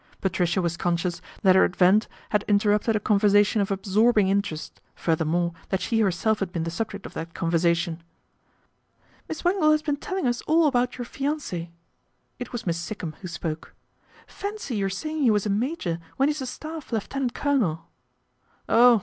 Patricia was conscious that her advent had interrupted a conversation of absorbing interest, furthermore that she herself had been the subject of that conversation. " Miss Wangle has been telling us all about your fiance"." It was Miss Sikkum who spoke. " Fancy your saying he was a major when he's a Staff lieutenant colonel." " Oh !